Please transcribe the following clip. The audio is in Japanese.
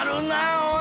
おい！